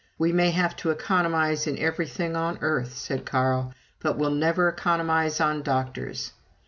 "We may have to economize in everything on earth," said Carl, "but we'll never economize on doctors."